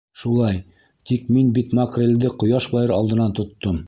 Шулай, тик мин бит макрелде ҡояш байыр алдынан тоттом.